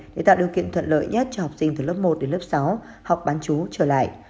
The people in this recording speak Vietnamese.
để tạo điều kiện thuận lợi nhất cho học sinh từ lớp một đến lớp sáu học bán chú trở lại